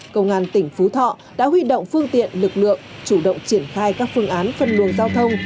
công an tỉnh phú thọ đã huy động phương tiện lực lượng chủ động triển khai các phương án phân luồng giao thông